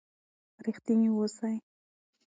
رښتیني اوسئ.